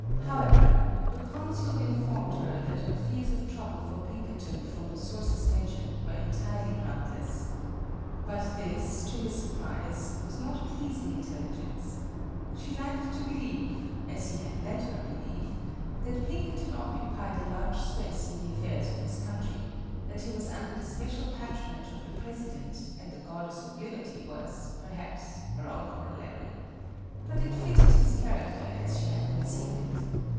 However, the consul informed her that her fears of trouble for Pinkerton from the sources mentioned were entirely groundless. But this, to his surprise, was not pleasing intelligence. She liked to believe (as he had let her believe) that Pinkerton occupied a large space in the affairs of his country; that he was under the special patronage of the President, and the Goddess of Liberty was, perhaps, her own corollary. But it fitted his character as she had conceived it.